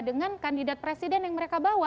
dengan kandidat presiden yang mereka bawa